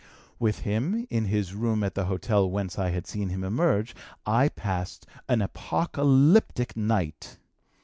With him, in his room at the hotel whence I had seen him emerge, I passed an apocalyptic night.